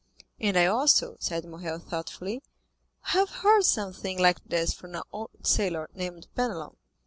"And I also," said Morrel thoughtfully, "have heard something like this from an old sailor named Penelon."